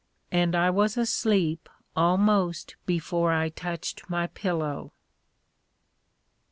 And I was asleep almost before I touched my pillow.